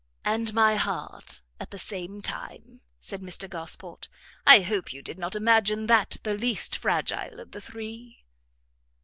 "And my heart at the same time," said Mr Gosport; "I hope you did not imagine that the least fragile of the three?"